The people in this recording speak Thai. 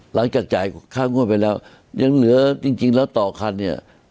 จ่ายค่างวดไปแล้วยังเหลือจริงแล้วต่อคันเนี่ย